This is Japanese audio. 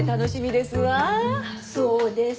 そうです。